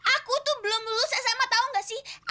aku tuh belum lulus sma tau gak sih